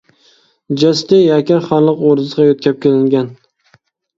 جەسىتى يەكەن خانلىق ئوردىسىغا يۆتكەپ كېلىنگەن.